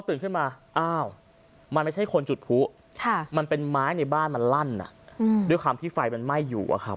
พอตื่นขึ้นมาอ้าวมาไม่ใช่คนจุดผู้